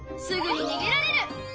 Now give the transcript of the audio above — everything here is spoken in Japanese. すぐににげられる。